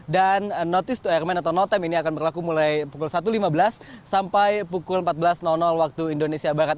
dan notice to airmen atau not time ini akan berlaku mulai pukul satu lima belas sampai pukul empat belas waktu indonesia barat